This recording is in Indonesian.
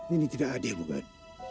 ini tidak adil bukan